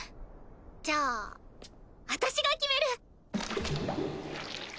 じゃあ私が決める。